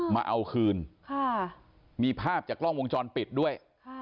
มาเอาคืนมีภาพจากกล้องวงจรปิดด้วย